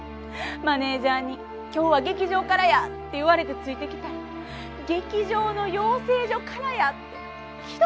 マネージャーに「今日は劇場からや」って言われてついてきて劇場の養成所からやってひどくないですか？